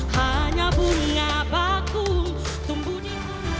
hanya bunga bakul tumbuh di